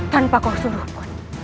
tanpa kau suruh pun